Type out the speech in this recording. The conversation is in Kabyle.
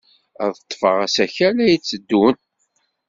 Ad ḍḍfeɣ asakal ay d-yetteddun.